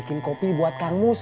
bikin kopi buat karmus